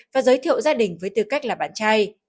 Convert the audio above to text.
và giới thiệu gia đình với tư cách là bạn trai